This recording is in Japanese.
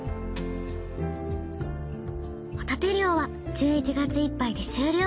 ホタテ漁は１１月いっぱいで終了。